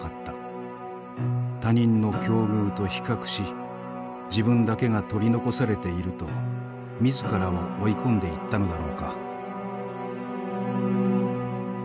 他人の境遇と比較し自分だけが取り残されていると自らを追い込んでいったのだろうか。